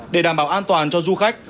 để đảm bảo an toàn cho du khách